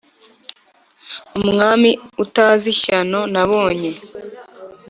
umwami atazi ishyano nabonye.